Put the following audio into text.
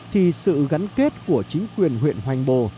thì sự gắn kết của chính quyền huyện hoành bồ